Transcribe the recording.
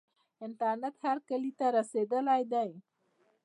انټرنیټ هر کلي ته رسیدلی دی.